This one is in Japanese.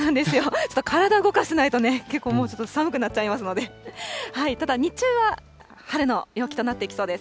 ちょっと体動かさないとね、結構もう、ちょっと寒くなっちゃいますので、ただ日中は晴れの陽気となっていきそうです。